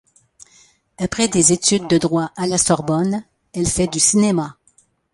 Après des études de droit à la Sorbonne, elle fait du cinéma.